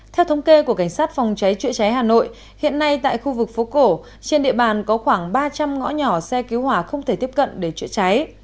theo thống kê của cảnh sát phòng cháy chữa cháy hà nội hiện nay tại khu vực phố cổ trên địa bàn có khoảng ba trăm linh ngõ nhỏ xe cứu hỏa không thể tiếp cận để chữa cháy